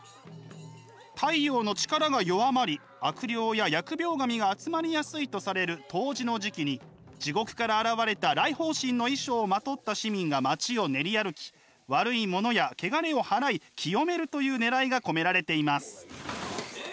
太陽の力が弱まり悪霊や疫病神が集まりやすいとされる冬至の時期に地獄から現れた来訪神の衣装をまとった市民が街を練り歩き悪いものやケガレをはらい清めるというねらいが込められています。